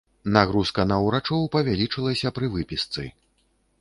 Нагрузка на ўрачоў павялічылася пры выпісцы.